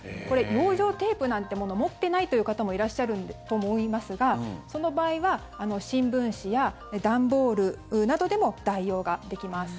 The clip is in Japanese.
養生テープなんてもの持ってないという方もいらっしゃると思いますがその場合は新聞紙や段ボールなどでも代用ができます。